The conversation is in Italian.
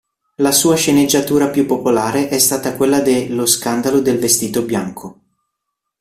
La sua sceneggiatura più popolare è stata quella de "Lo scandalo del vestito bianco".